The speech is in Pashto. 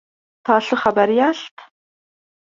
تاسو خبر یاست؟